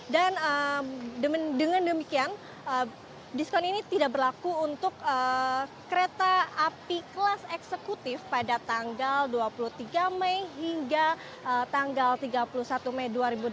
dengan demikian diskon ini tidak berlaku untuk kereta api kelas eksekutif pada tanggal dua puluh tiga mei hingga tanggal tiga puluh satu mei dua ribu delapan belas